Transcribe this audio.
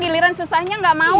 giliran susahnya gak mau